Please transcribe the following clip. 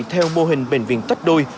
theo mô hình bệnh viện tách đôi